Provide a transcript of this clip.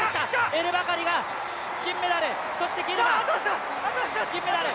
エルバカリが金メダル、ギルマが銀メダル。